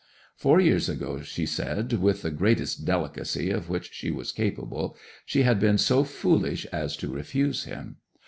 Four years ago, she said with the greatest delicacy of which she was capable, she had been so foolish as to refuse him.